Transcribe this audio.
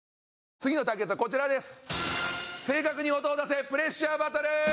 次の対決はこちらです。